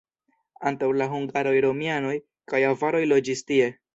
Antaŭ la hungaroj romianoj kaj avaroj loĝis tie.